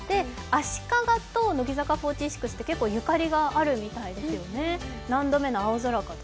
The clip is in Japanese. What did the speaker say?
足利と乃木坂４６って結構ゆかりがあるみたいですよね。